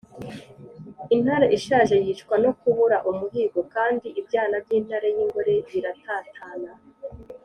intare ishaje yicwa no kubura umuhigo, kandi ibyana by’intare y’ingore biratatana